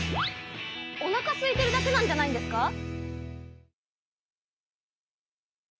おなかすいてるだけなんじゃないんですか？